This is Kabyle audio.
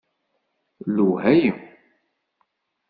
D lewhayem!